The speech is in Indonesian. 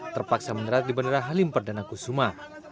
terpaksa menerat di bandara halimper dan akusuma